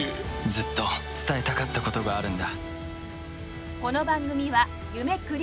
ずっと伝えたかったことがあるんだ。